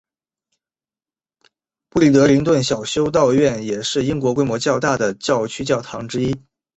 布里德灵顿小修道院也是英国规模较大的教区教堂之一。